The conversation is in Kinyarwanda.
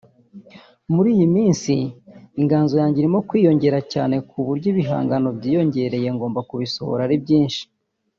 Muri iyi minsi inganzo yanjye irimo kwiyongera cyane ku buryo ibihangano byiyongereye ngomba kubisohora ari byinshi”